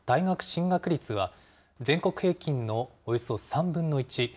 進学率は、全国平均のおよそ３分の１。